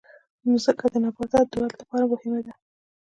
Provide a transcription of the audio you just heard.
مځکه د نباتاتو د ودې لپاره مهمه ده.